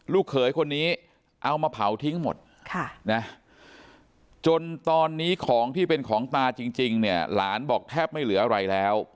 เขยคนนี้เอามาเผาทิ้งหมดจนตอนนี้ของที่เป็นของตาจริงเนี่ยหลานบอกแทบไม่เหลืออะไรแล้ว